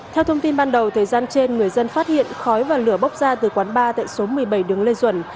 theo thông tin ban đầu thời gian trên người dân phát hiện khói và lửa bốc ra từ quán bar tại số một mươi bảy đường lê duẩn